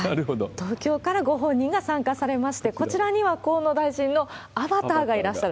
東京からご本人が参加されまして、こちらには河野大臣のアバターがいらっしゃる。